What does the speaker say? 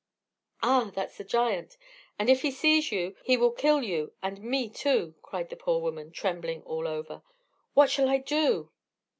"Ah! that's the giant; and if he sees you he will kill you and me too," cried the poor woman, trembling all over. "What shall I do?"